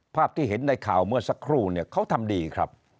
ภาพที่เห็นในข่าวเมื่อสักครู่เนี่ยเขาทำดีครับ